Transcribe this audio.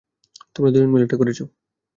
তোমরা দুজন মিলে এটা করেছ।